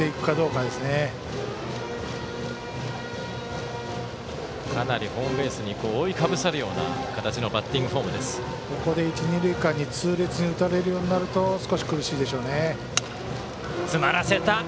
かなりホームベースに覆いかぶさるような形のここで一、二塁間に痛烈に打たれるようになると少し苦しいでしょうね。